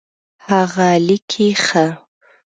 هغه لیکي ښه